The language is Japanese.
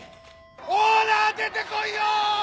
オーナー出てこいよ！